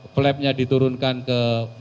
flap nya diturunkan ke